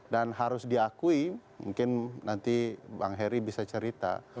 dan harus diakui mungkin nanti bang heri bisa cerita